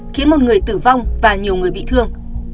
khiến một người tử vong và nhiều người bị thương